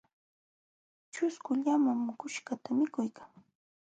Ćhusku llaman quśhqata mikuykan.